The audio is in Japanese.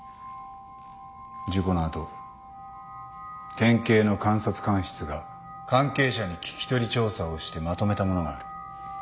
事故の後県警の監察官室が関係者に聞き取り調査をしてまとめたものがある。